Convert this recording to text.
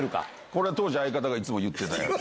これ、当時、相方がいつも言ってたやつ。